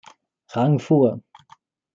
Rang fuhr.